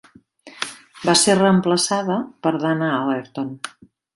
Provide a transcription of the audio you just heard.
Va ser reemplaçada per Dana Allerton.